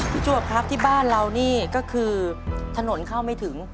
จวบครับที่บ้านเรานี่ก็คือถนนเข้าไม่ถึง